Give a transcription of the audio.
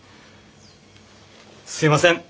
すいません